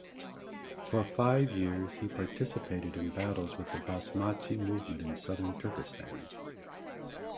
For five years he participated in battles with the Basmachi movement in Southern Turkestan.